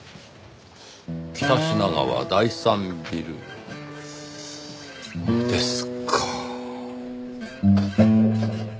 北品川第三ビルですか。